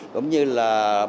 cũng như bán hàng rác